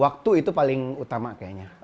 waktu itu paling utama kayaknya